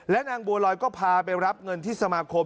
นางบัวลอยก็พาไปรับเงินที่สมาคม